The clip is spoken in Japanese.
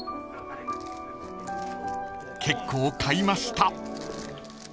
［結構買いました］